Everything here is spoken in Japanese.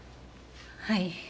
はい。